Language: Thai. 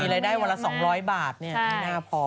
รายได้วันละ๒๐๐บาทไม่น่าพอ